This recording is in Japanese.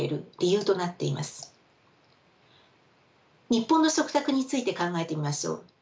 日本の食卓について考えてみましょう。